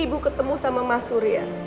ibu ketemu sama mas surya